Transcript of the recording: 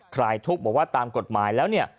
ลายทุกข์บอกว่าตามกฎหมายแล้วเนี่ย